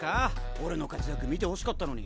俺の活躍見てほしかったのに。